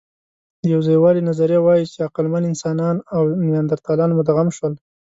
د یوځایوالي نظریه وايي، چې عقلمن انسانان او نیاندرتالان مدغم شول.